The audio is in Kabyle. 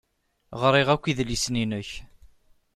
Ɣriɣ akk idlisen-nnek.